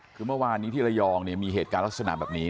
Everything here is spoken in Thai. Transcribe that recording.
คือเมื่อวานนี้ที่ระยองเนี่ยมีเหตุการณ์ลักษณะแบบนี้